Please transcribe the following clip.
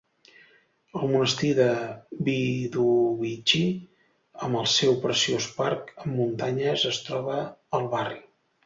El monestir de Vydubychi amb el seu preciós parc amb muntanyes es troba al barri.